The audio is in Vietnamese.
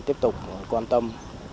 tiếp tục quan tâm